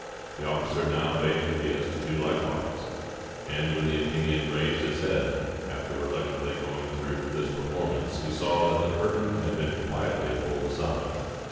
The officer now bade Hippias do likewise; and when the Athenian raised his head, after reluctantly going through this performance, he saw that the curtain had been quietly pulled aside.